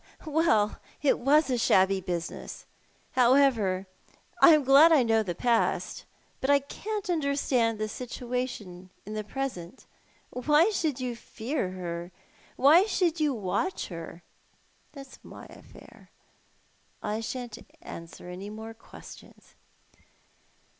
" Well, it was a shabby business. However, I am glad I know the past. But I can't understand the situation in the present. Why should you fear her ? Why shuuld you watch her?" " That's my affair. I shan't answer any more questions."